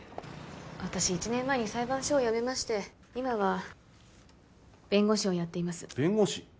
私１年前に裁判所を辞めまして今は弁護士をやっています弁護士？